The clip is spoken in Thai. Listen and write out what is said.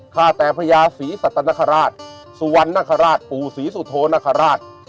ข้าแต่พระยาศรีสัตว์นัครราชสุวรรณนัครราชปู่ศรีสุโธนัครราช